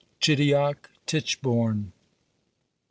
CHIDIOCK TITCHBOURNE.